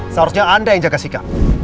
seharusnya anda yang jaga sikap